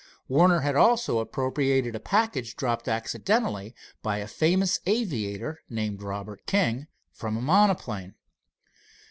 Warner had also appropriated a package dropped accidentally by a famous aviator, named Robert King, from a monoplane.